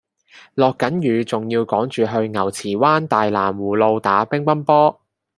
落緊雨仲要趕住去牛池灣大藍湖路打乒乓波